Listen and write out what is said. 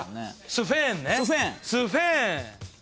スフェーンね。